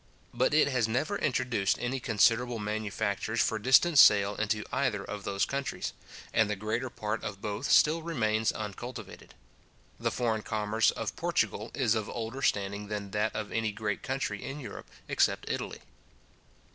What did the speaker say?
But it has never introduced any considerable manufactures for distant sale into either of those countries, and the greater part of both still remains uncultivated. The foreign commerce of Portugal is of older standing than that of any great country in Europe, except Italy.